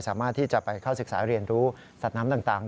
สามารถที่จะไปเข้าศึกษาเรียนรู้สัตว์น้ำต่าง